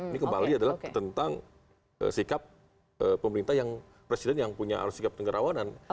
ini kembali adalah tentang sikap pemerintah yang presiden yang punya harus sikap tenggerawanan